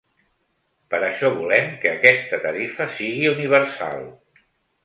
Per això volem que aquesta tarifa sigui universal.